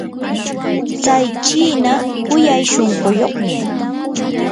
tsay chiina kuyay shunquyuqmi.